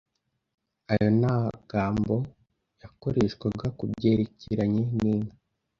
Ayo nagambo yakoreshwaga kubyerekeranye n’inka